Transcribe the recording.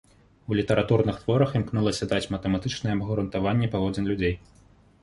У літаратурных творах імкнулася даць матэматычнае абгрунтаванне паводзін людзей.